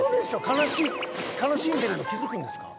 悲しんでるの気づくんですか？